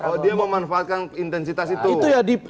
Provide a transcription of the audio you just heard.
oh dia mau manfaatkan intensitas itu